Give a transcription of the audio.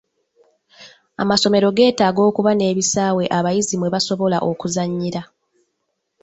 Amasomero geetaaga okuba n'ebisaawe abayizi mwe basobola okuzannyira.